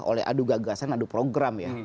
oleh adu gagasan adu program ya